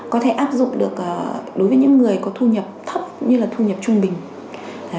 có thể áp dụng được đối với những người có thu nhập thấp như là thu nhập trung bình